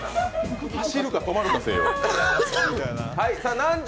走るか止まるかせいよ。